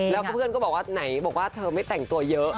แล้วก็เพื่อนก็บอกว่าไหนบอกว่าเธอไม่แต่งตัวเยอะ